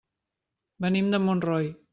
Venim de Montroi.